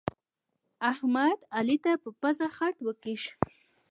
احمد، علي ته په پزه خط وکيښ.